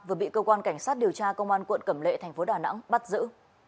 vừa bị cơ quan cảnh sát điều tra công an quận cẩm lệ thành phố đà nẵng bắt giữ